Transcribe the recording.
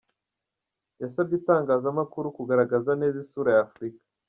Yasabye n’itangazamakuru kugaragaza neza isura ya Afurika.